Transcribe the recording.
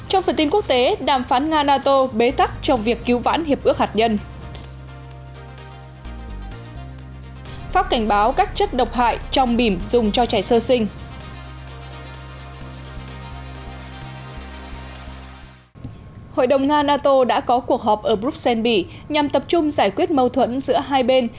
hội đồng nga nato đã có cuộc họp ở bruxelles mỹ nhằm tập trung giải quyết mâu thuẫn giữa hai bên